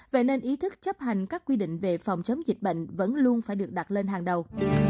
vậy nên ý thức chấp hành các quy định về phòng chống dịch bệnh vẫn luôn phải được đặt lên hàng đầu